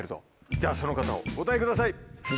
じゃあその方をお答えください。